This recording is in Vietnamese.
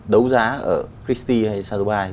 đấu giá ở christie hay sazubai